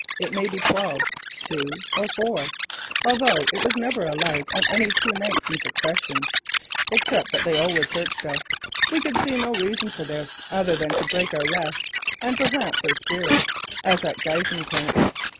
It might be at twelve, two or four, although it was never alike on any two nights in succession, except that they always searched us. We could see no reason for this; other than to break our rest and perhaps our spirits, as at Giessen Camp.